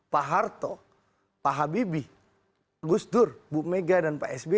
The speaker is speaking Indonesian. pak harto pak habibie gus dur bu mega dan pak sby